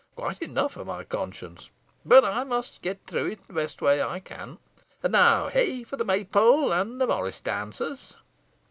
Quite enough, o' my conscience! but I must get through it the best way I can. And now, hey for the May pole and the morris dancers!"